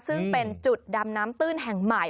ซึ่งเป็นจุดดำน้ำตื้นแห่งใหม่